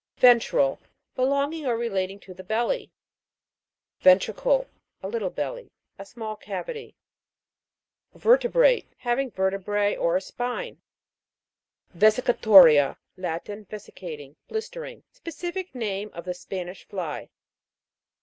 VEN'TRAL. Belonging or relating to the belly. VEN'TRICLE. A little belly ; a small cavity. VER'TEBRATE. Having vertebrae, or a spine. VESICATO'RIA. Latin. Vesicating, blistering. Specific name of the Spanish fly.